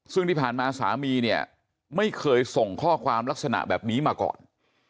ซึ่งที่ผ่านมาสามีเนี่ยไม่เคยส่งข้อความลักษณะแบบนี้มาก่อน